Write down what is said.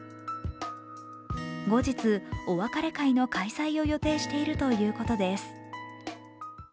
後日、お別れ会の開催を予定しているということです。